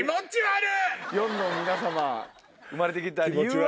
４の皆様生まれて来た理由は。